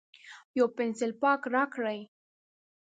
یو پینسیلپاک راکړئ